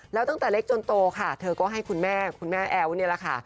แล้วตั้งแต่เล็กจนโตค่ะเธอก็ให้คุณแม่คุณแม่แอ๋วนี่แหละค่ะ